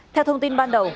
theo thông tin ban đầu